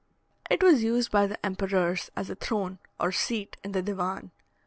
It was used by the emperors as a throne or seat in the divan.